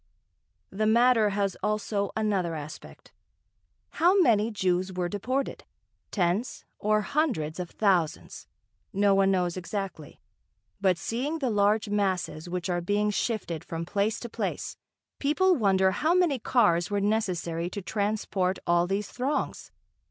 The matter has also another aspect. How many Jews were deported tens or hundreds of thousands no one knows exactly; but seeing the large masses which are being shifted from place to place, people wonder how many cars were necessary to transport all these throngs.